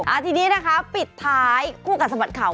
อาทิตย์นี้นะคะปิดท้ายคู่กับสมัสข่าว